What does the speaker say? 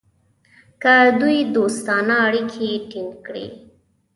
که دوی دوستانه اړیکې ټینګ کړي.